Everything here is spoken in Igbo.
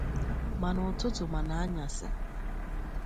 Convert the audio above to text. ma n'ụtụtụ ma n'anyasị